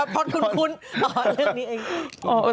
เล่าเรื่องนี้เอง